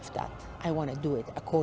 sebagai wanita yang kita adalah